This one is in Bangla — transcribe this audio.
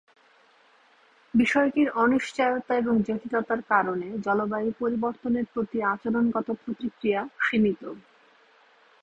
বিষয়টির অনিশ্চয়তা এবং জটিলতার কারণে জলবায়ু পরিবর্তনের প্রতি আচরণগত প্রতিক্রিয়া সীমিত।